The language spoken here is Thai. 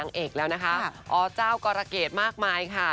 อ่ะเดี๋ยวพี่แจ๊กเล่าให้ฟัง